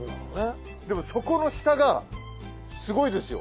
でもそこの下がすごいですよ